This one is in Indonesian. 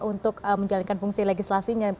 untuk menjalankan fungsi legislasinya